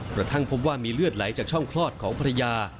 กระทั่งพบว่ามีเลือดไหลจากช่องคลอดของภรรยา